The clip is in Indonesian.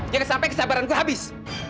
jangan sampai kesabaran gue habis